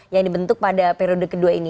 yang dibentuk pada periode kedua ini